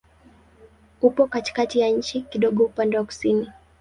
Upo katikati ya nchi, kidogo upande wa kusini.